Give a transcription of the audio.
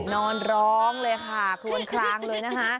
นอนร้องเลยค่ะคลวนคลางเลยนะคะ